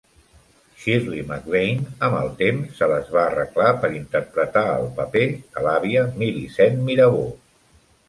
Shirley MacLaine amb el temps se les va arreglar per interpretar el paper de l'àvia Millicent Mirabeau.